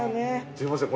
すいません